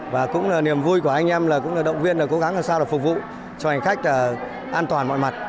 và cũng là niềm vui của anh em là cũng là động viên là cố gắng làm sao là phục vụ cho hành khách an toàn mọi mặt